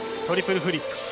トリプルフリップ。